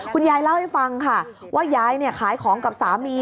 คุณยายเล่าให้ฟังค่ะว่ายายขายของกับสามี